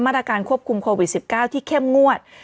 ตรการควบคุมโควิด๑๙ที่เข้มงวด